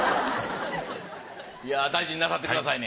大事になさってくださいね。